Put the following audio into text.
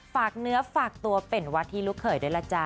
ฝากเนื้อฝากตัวเป็นวัดที่ลูกเขยด้วยล่ะจ๊ะ